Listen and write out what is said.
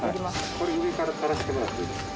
これ上から垂らしてもらっていいですか？